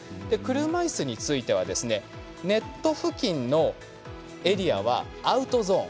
車いすについてはネット付近のエリアはアウトゾーン。